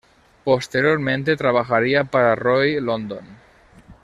Posteriormente trabajaría para Roy London.